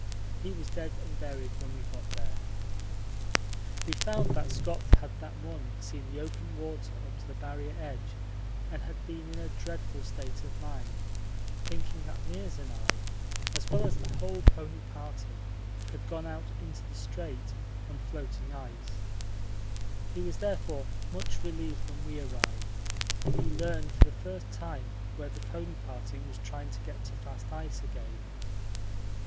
He was dead and buried when we got there. We found that Scott had that morning seen the open water up to the Barrier edge and had been in a dreadful state of mind, thinking that Meares and I, as well as the whole pony party, had gone out into the Strait on floating ice. He was therefore much relieved when we arrived and he learned for the first time where the pony party was trying to get to fast ice again.